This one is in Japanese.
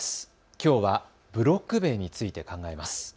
きょうはブロック塀について考えます。